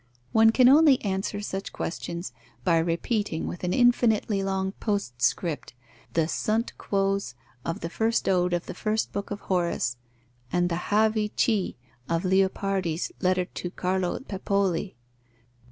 One can only answer such questions by repeating with an infinitely long postscript the Sunt quos of the first ode of the first book of Horace, and the Havvi chi of Leopardi's letter to Carlo Pepoli.